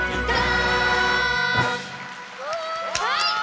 はい！